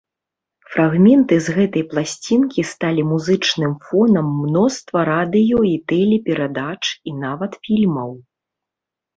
Фрагменты з гэтай пласцінкі сталі музычным фонам мноства радыё- і тэлеперадач і нават фільмаў.